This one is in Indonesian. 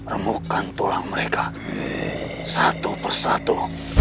remuhkan tulang mereka satu persatu